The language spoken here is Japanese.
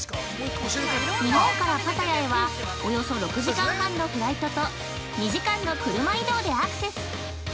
日本からパタヤへは、およそ６時間半のフライトと、２時間の車移動でアクセス。